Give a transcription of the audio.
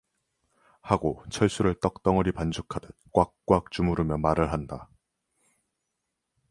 하고 철수를 떡덩어리 반죽하듯 꽉꽉 주무르며 말을 한다.